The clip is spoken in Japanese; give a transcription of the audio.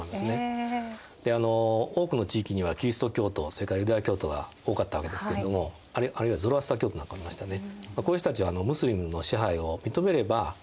で多くの地域にはキリスト教徒それからユダヤ教徒が多かったわけですけれどもあるいはゾロアスター教徒などもいましたね。